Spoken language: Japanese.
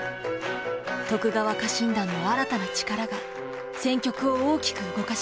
徳川家臣団の新たな力が戦局を大きく動かします。